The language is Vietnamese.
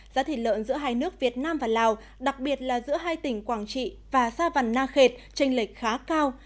giá thịt lợn giữa hai nước việt nam và lào đặc biệt là giữa hai tỉnh quảng trị và sa văn na khệt tranh lệch khá cao